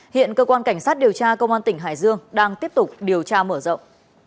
hiện cơ quan cảnh sát điều tra công an tỉnh hải dương đang tiếp tục điều tra mở rộng